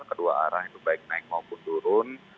kedua arah itu baik naik maupun turun